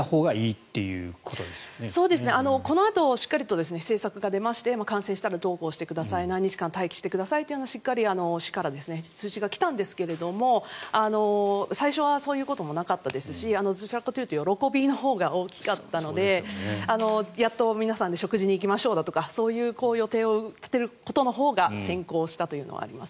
このあとしっかりと政策が出まして感染したらどうこうしてください何日間待機してくださいってしっかり市から通知が来たんですが最初はそういうこともなかったですしどちらかというと喜びのほうが大きかったのでやっと皆さんで食事に行きましょうとかそういう予定を立てることのほうが先行したというのはあります。